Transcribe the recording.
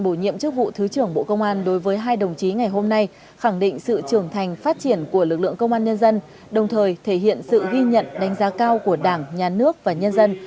bộ trưởng bộ công an đối với hai đồng chí ngày hôm nay khẳng định sự trưởng thành phát triển của lực lượng công an nhân dân đồng thời thể hiện sự ghi nhận đánh giá cao của đảng nhà nước và nhân dân